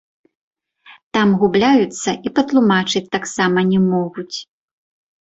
Там губляюцца і патлумачыць таксама не могуць.